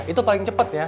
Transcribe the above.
itu paling cepet